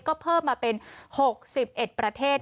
ก็เพิ่มมาเป็น๖๑ประเทศ